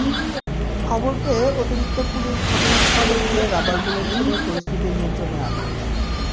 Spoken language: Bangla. খবর পেয়ে অতিরিক্ত পুলিশ ঘটনাস্থলে গিয়ে রাবার বুলেট ছুড়ে পরিস্থিতি নিয়ন্ত্রণে আনে।